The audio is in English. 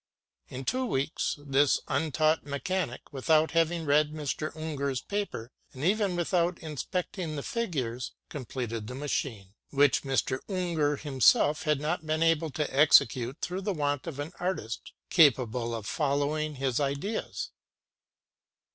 In two weeks, this untaught mechanic, without having read Mr. UngerŌĆÖs paper, and even without inspecting the figures, completed the ma chine, which Mr. Unger himself had not been able to execute through want of an artist capable of fol lowing his ideas.